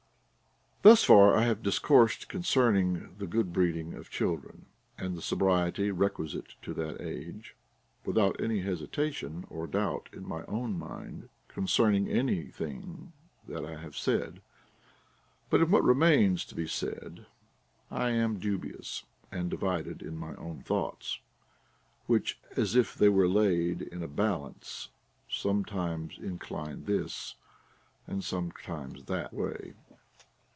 Thus far have I discoursed concerning the good breeding of children, and the sobriety requisite to that age, Λvithout any hesitation or doubt in my own mind concern ing any thing that I have said. But in what remains to be said, I am dubious and divided in my own thoughts, which, as if they were laid in a balance, sometimes incline this, and sometimes that way.